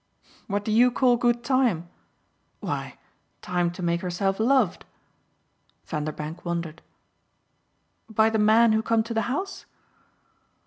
"What do you call good time?" "Why time to make herself loved." Vanderbank wondered. "By the men who come to the house?"